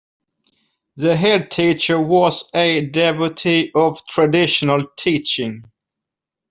The headteacher was a devotee of traditional teaching